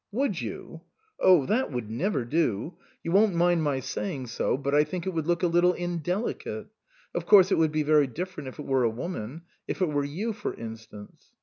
" Would you ? Oh, that would never do. You won't mind my saying so, but I think it would look a little indelicate. Of course it would be very different if it were a woman ; if it were you for instance."